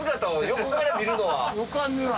横から見るのはなかなか。